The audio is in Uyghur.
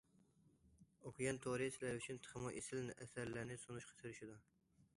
ئوكيان تورى سىلەر ئۈچۈن تېخىمۇ ئېسىل ئەسەرلەرنى سۇنۇشقا تىرىشىدۇ!!